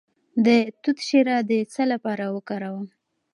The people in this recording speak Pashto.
د توت شیره د څه لپاره وکاروم؟